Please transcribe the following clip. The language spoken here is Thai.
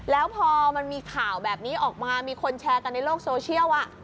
แล้วพอมันมีข่าวแบบนี้ออกมามีคนแชร์กันในโลกโซเชียล